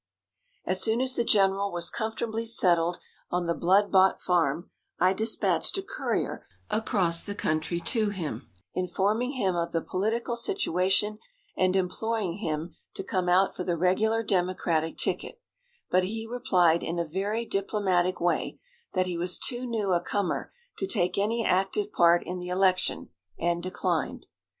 As soon as the general was comfortably settled on the blood bought farm I dispatched a courier across the country to him, informing him of the political situation, and imploring him to come out for the regular Democratic ticket; but he replied in a very diplomatic way that he was too new a comer to take any active part in the election, and declined.